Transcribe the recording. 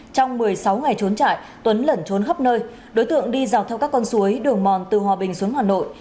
trong một mươi sáu ngày trốn chạy tuấn lẩn trốn khắp nơi đối tượng đi dọc theo các con suối đường mòn từ hòa bình xuống hà nội